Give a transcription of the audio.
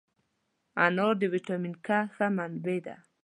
انار د ویټامین K ښه منبع ده.